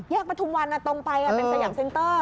ประทุมวันตรงไปเป็นสยามเซ็นเตอร์